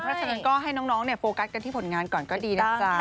เพราะฉะนั้นก็ให้น้องโฟกัสกันที่ผลงานก่อนก็ดีนะจ๊ะ